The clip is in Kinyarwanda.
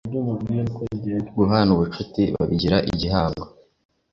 Guhana ubucuti babigira igihango